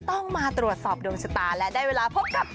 ต้องมาตรวจสอบดวงชะตาและได้เวลาพบกับ